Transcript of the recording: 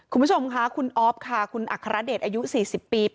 คุณผู้ชมค่ะคุณออฟค่ะคุณอัคระเดะอายุสี่สิบปี